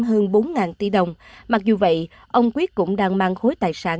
hơn bốn tỷ đồng mặc dù vậy ông quyết cũng đang mang khối tài sản